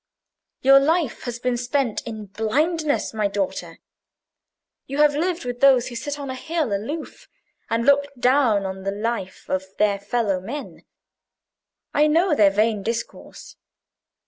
Your life has been spent in blindness, my daughter. You have lived with those who sit on a hill aloof, and look down on the life of their fellow men. I know their vain discourse.